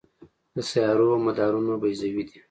د سیارو مدارونه بیضوي دي.